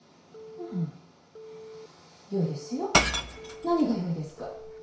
何がよいですか？